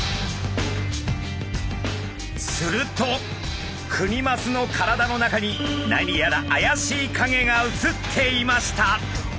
するとクニマスの体の中に何やら怪しい影が写っていました！